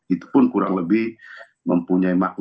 itu pun kurang lebih mempunyai makna